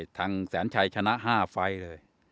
ทั้งแสนชัยชนะ๕ไปรฟัยเลย